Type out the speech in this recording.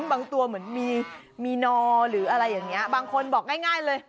บางตัวเหมือนมีนอหรืออะไรอย่างนี้บางคนบอกง่ายเลย